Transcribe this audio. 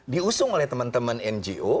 diusung oleh teman teman ngo